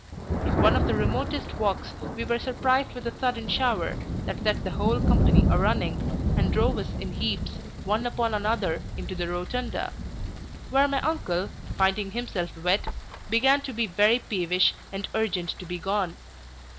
In one of the remotest walks we were surprised with a sudden shower, that set the whole company a running, and drove us in heaps, one upon another, into the rotunda; where my uncle, finding himself wet, began to be very peevish and urgent to be gone.